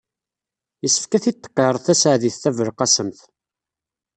Yessefk ad t-id-tqirr Taseɛdit Tabelqasemt.